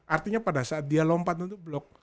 artinya pada saat dia lompat untuk blok